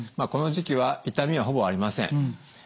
この時期は痛みはほぼありません。